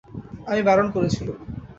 আমি বারণ করেছিলুম।